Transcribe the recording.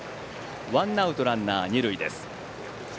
ワンアウトランナー、二塁です。